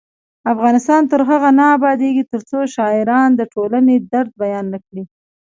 افغانستان تر هغو نه ابادیږي، ترڅو شاعران د ټولنې درد بیان نکړي.